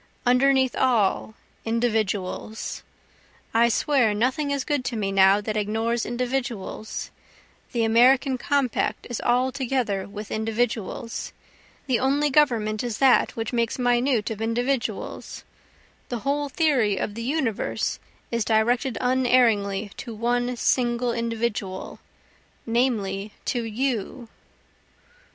Underneath all, individuals, I swear nothing is good to me now that ignores individuals, The American compact is altogether with individuals, The only government is that which makes minute of individuals, The whole theory of the universe is directed unerringly to one single individual namely to You.